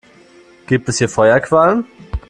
Gibt es hier Feuerquallen?